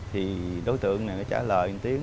thì đối tượng này trả lời